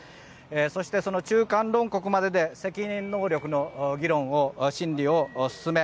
そして、その中間論告までで責任能力の議論、審理を進め